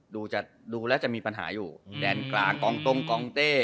ดูจะดูแล้วจะมีปัญหาอยู่แดนกลางกองตรงกองเต้